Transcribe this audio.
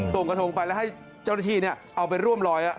กระทงไปแล้วให้เจ้าหน้าที่เอาไปร่วมลอย